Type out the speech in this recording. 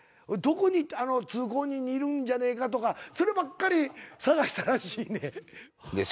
どこに通行人にいるんじゃねえかとかそればっかり探したらしいねん。